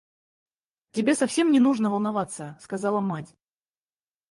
Тебе совсем не нужно волноваться, — сказала мать.